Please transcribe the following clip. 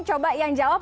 coba yang jawab